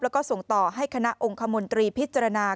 แล้วก็ส่งต่อให้คณะองค์คมนตรีพิจารณา